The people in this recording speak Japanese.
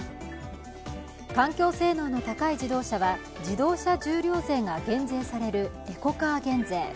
環境性能の高い自動車は自動車重量税が減税されるエコカー減税。